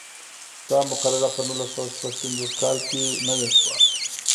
دا مقرره په نولس سوه شپږ پنځوس کال کې نوې شوه.